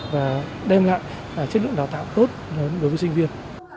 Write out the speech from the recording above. và đem lại chất lượng đào tạo tốt đối với sinh viên